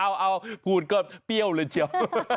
เอาพูดก็เปรี้ยวเลยเชียว